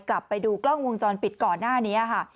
กลับไปดูกล้องวงจรปิดก่อนหน้านี้ค่ะ